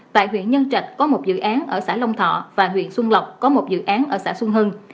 tại huyện nhân trạch có một dự án ở xã long thọ và huyện xuân lộc có một dự án ở xã xuân hưng